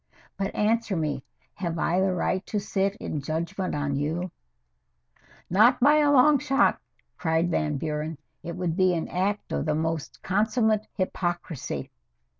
But answer me. Have I the right to sit in judgment on you " "Not by a long shot!" cried Van Buren. "It would be an act of the most consummate hypocrisy."